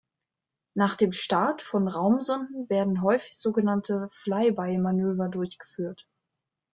Nach dem Start von Raumsonden werden häufig sogenannte Fly-by-Manöver durchgeführt.